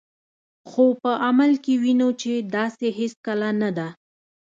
خو په عمل کې وینو چې داسې هیڅکله نه ده.